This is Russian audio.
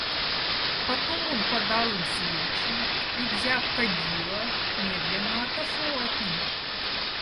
Потом он подал им свечи и, взяв кадило, медленно отошел от них.